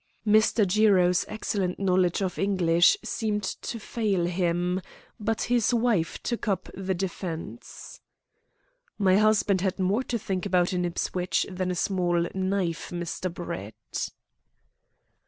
Mr. Jiro's excellent knowledge of English seemed to fail him, but his wife took up the defence. "My husband had more to think about in Ipswich than a small knife, Mr. Brett."